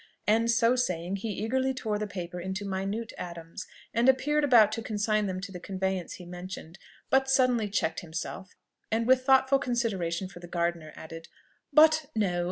And so saying, he eagerly tore the paper into minute atoms, and appeared about to consign them to the conveyance he mentioned, but suddenly checked himself, and with thoughtful consideration for the gardener added, "But no!